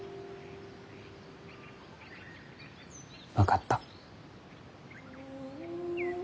分かった。